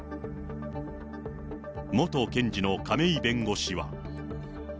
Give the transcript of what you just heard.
元検事の亀井弁護士は。